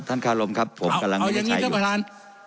ท่านคารมครับผมกำลังจะใช้อยู่เอาอย่างนี้ท่านประธาน